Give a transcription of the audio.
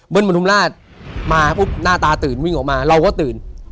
ประทุมราชมาปุ๊บหน้าตาตื่นวิ่งออกมาเราก็ตื่น